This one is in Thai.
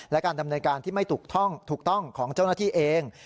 และการทำในการที่ไม่ถูกต้องของเจ้าหน้าที่เอง